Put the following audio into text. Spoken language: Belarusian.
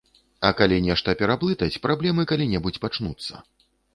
І калі нешта пераблытаць, праблемы калі-небудзь пачнуцца.